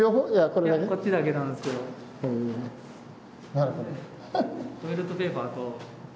なるほど。